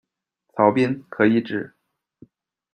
曹彬，可以指：